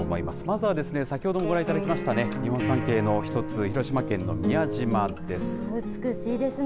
まずは先ほどもご覧いただきましたね、日本三景の一つ、広島県の宮島です。